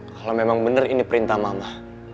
kalau memang benar ini perintah mama